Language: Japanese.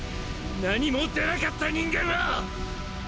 何も出なかった人間は！